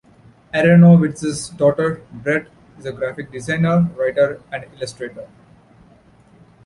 Aronowitz's daughter, Brett, is a graphic designer, writer and illustrator.